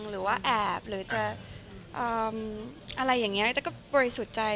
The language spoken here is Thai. หรือว่าแอบอะไรอย่างนี้เธอก็บริสุทธิ์ใจ